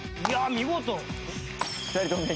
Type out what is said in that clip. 見事！